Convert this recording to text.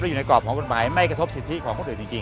อยู่ในกรอบของกฎหมายไม่กระทบสิทธิของคนอื่นจริง